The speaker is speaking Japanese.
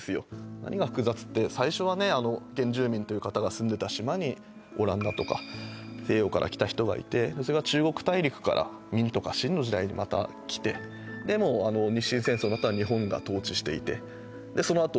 何が複雑って最初はね原住民という方が住んでた島にオランダとか西洋から来た人がいてそれが中国大陸から明とか清の時代にまた来てでもう日清戦争のあとは日本が統治していてそのあと